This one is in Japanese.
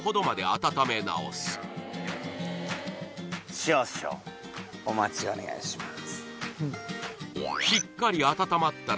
少々、お待ちをお願いします。